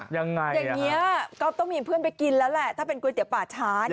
ยังไงอย่างนี้ก็ต้องมีเพื่อนไปกินแล้วแหละถ้าเป็นก๋วยเตี๋ยวป่าช้าเนี่ย